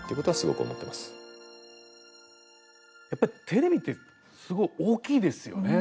テレビってすごい大きいですよね